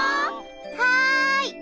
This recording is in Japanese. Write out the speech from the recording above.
はい！